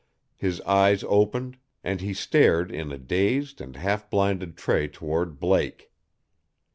His eyes opened, and he stared in a dazed and half blinded tray toward Blake.